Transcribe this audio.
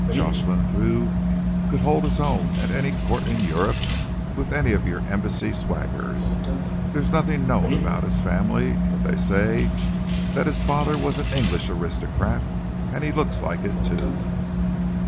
"Jocelyn Thew could hold his own at any court in Europe with any of you embassy swaggerers. There's nothing known about his family, but they say that his father was an English aristocrat, and he looks like it, too."